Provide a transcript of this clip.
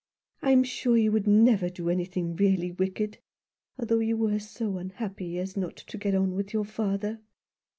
I'm sure you would never do anything really wicked — although you were so unhappy as not to get on with your father."